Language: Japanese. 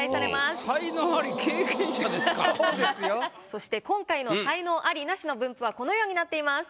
そして今回の才能アリ・ナシの分布はこのようになっています。